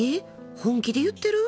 本気で言ってる？